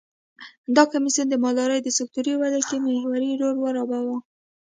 دا کمېسیون د مالدارۍ د سکتور ودې کې محوري رول ولوباوه.